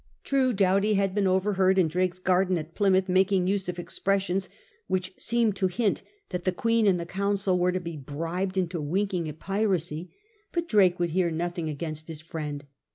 True, Doughty had been overheard in Drake's garden at Plymouth making use of expressions which seemed to hint that the Queen and the Council were to be bribed into winking at piracy; but Drake would hear nothing against his friend.